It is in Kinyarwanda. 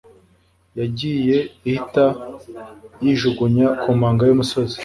yagiye ihita yijugunya ku manga yumusozi